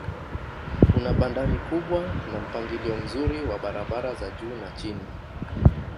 Una bandari kubwa na mpangilio mzuri wa barabara za juu na chini.